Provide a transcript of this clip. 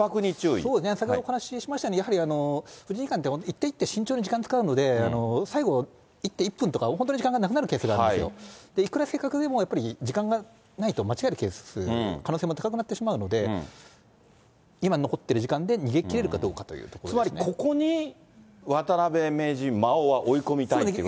そうですね、先ほどお話しましたように、やはり藤井二冠って、一手一手慎重に時間を使うので、最後、一手１分とか、本当に時間が無くなるケースがあるんですよ、いくら正確でも、やっぱり、時間がないと間違えるケース、可能性も高くなってしまうので、今残ってる時間で逃げきれるかどうかとつまりここに、渡辺名人、魔王は追い込みたいということですね？